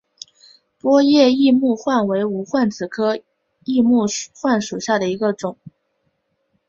波叶异木患为无患子科异木患属下的一个种。